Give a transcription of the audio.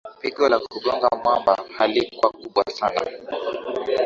pigo la kugonga mwamba halikuwa kubwa sana